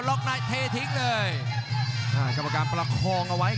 โอ้โห